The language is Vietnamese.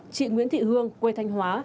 chị nguyễn thị hương quê thanh hóa